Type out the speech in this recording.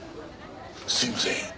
すいません